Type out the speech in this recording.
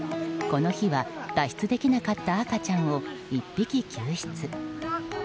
この日は脱出できなかった赤ちゃんを１匹救出。